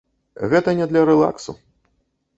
Гэта не для рэлаксу.